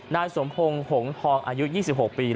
นายสมพงศ์หงทองอายุ๒๖ปี